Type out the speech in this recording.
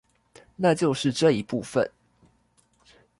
那就是這一部分